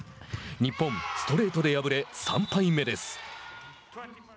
日本ストレートで敗れ３敗目です。